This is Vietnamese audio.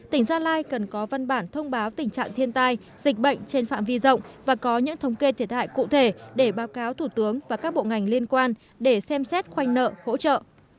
tỉnh gia lai cần có văn bản thông báo tình trạng thiên tai dịch bệnh trên phạm vi rộng và có những thống kê thiệt hại cụ thể để báo cáo thủ tướng và các bộ ngành liên quan để xem xét khoanh nợ hỗ trợ